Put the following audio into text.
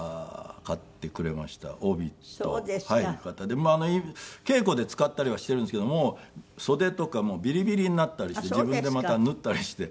で稽古で使ったりはしているんですけども袖とかもうビリビリになったりして自分でまた縫ったりして。